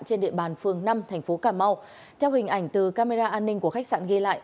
trên địa bàn phường năm thành phố cà mau theo hình ảnh từ camera an ninh của khách sạn ghi lại